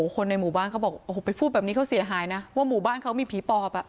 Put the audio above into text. คนในหมู่บ้านเขาบอกโอ้โหไปพูดแบบนี้เขาเสียหายนะว่าหมู่บ้านเขามีผีปอบอ่ะ